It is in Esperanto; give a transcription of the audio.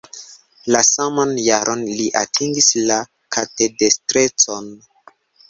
La saman jaron li atingis la katedestrecon.